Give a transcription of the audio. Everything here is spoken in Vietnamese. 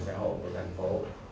xã hội của thành phố